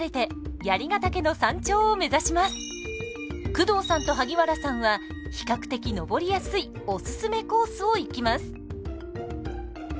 工藤さんと萩原さんは比較的登りやすいお薦めコースを行きます。